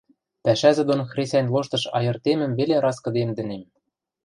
Пӓшӓзӹ дон хресӓнь лоштыш айыртемӹм веле раскыдемдӹнем.